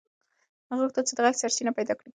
هغه غوښتل چې د غږ سرچینه پیدا کړي.